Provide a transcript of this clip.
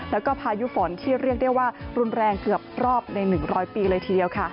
แล้วก็พายุฝนที่เรียกได้ว่ารุนแรงเกือบรอบใน๑๐๐ปีเลยทีเดียวค่ะ